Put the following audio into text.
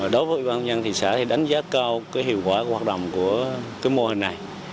đối với ủy ban nhân thị xã thì đánh giá cao hiệu quả hoạt động của mô hình này